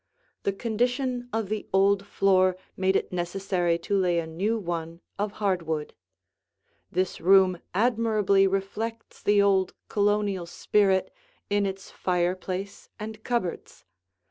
The condition of the old floor made it necessary to lay a new one of hard wood. This room admirably reflects the old Colonial spirit in its fireplace and cupboards.